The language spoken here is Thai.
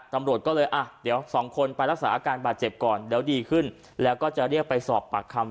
ตำรวจก็เลยอ่ะเดี๋ยวสองคนไปรักษาอาการบาดเจ็บก่อนเดี๋ยวดีขึ้นแล้วก็จะเรียกไปสอบปากคำ